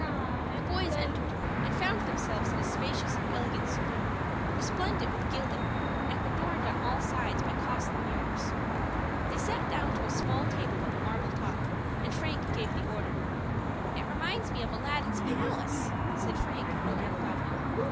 The boys entered, and found themselves in a spacious and elegant saloon, resplendent with gilding, and adorned on all sides by costly mirrors. They sat down to a small table with a marble top, and Frank gave the order. "It reminds me of Aladdin's palace," said Frank, looking about him.